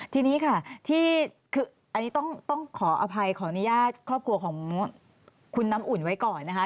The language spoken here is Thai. ที่นี้ค่ะก็ต้องขออภัยของอนิญาตย์ครอบครัวของคุณน้ำอุ่นไว้ก่อนนะค่ะ